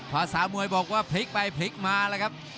ภาษามวยบอกว่าพลิกไปพลิกมาแล้วครับ